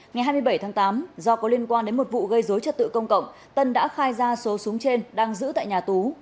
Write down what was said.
ngày hai mươi bảy tháng tám do có liên quan đến một vụ gây dối trật tự công cộng tân đã khai ra số súng trên đang giữ tại nhà tú